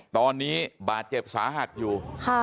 ตอนนี้บาดเจ็บสาหัสอยู่